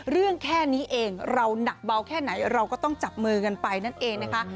แค่นี้เองเราหนักเบาแค่ไหนเราก็ต้องจับมือกันไปนั่นเองนะคะ